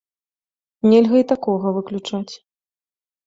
Нельга і такога выключаць.